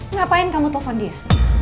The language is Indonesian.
ngapain kamu telpon dia